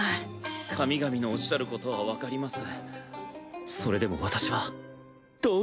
神々のおっしゃることは分かります。